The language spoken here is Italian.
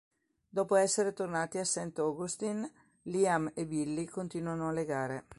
Dopo essere tornati a Saint Augustine, Liam e Billy continuano a legare.